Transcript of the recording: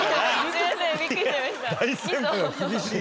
大先輩が厳しい。